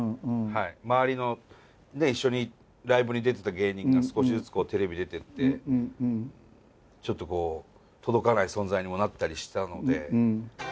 周りの一緒にライブに出てた芸人が少しずつテレビ出てってちょっとこう届かない存在にもなったりしたので。